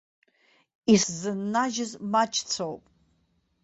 Исзыннажьыз маҷцәоуп.